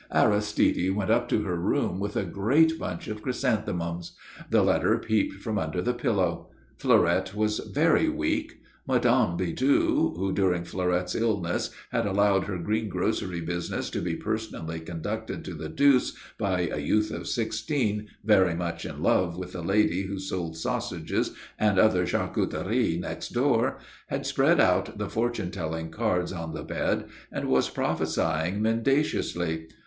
Aristide went up to her room with a great bunch of chrysanthemums. The letter peeped from under the pillow. Fleurette was very weak. Mme. Bidoux, who, during Fleurette's illness, had allowed her green grocery business to be personally conducted to the deuce by a youth of sixteen very much in love with the lady who sold sausages and other charcuterie next door, had spread out the fortune telling cards on the bed and was prophesying mendaciously.